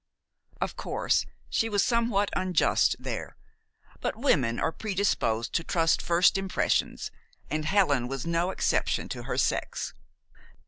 Of course, she was somewhat unjust there; but women are predisposed to trust first impressions, and Helen was no exception to her sex.